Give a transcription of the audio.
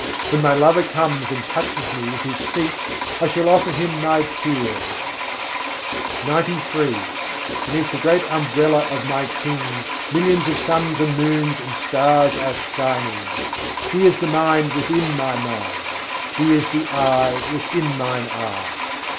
When my Lover comes and touches me with His feet, I shall offer Him my tears." XCIII III. 111. kotîn bhânu candra târâgan Beneath the great umbrella of my King millions of suns and moons and stars are shining! He is the Mind within my mind: He is the Eye within mine eye.